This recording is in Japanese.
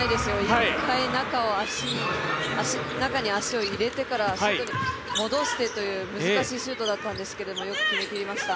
一回中に足を入れてから、戻してという、難しいシュートだったんですけどよく決めきりました。